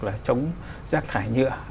là chống rác thải nhựa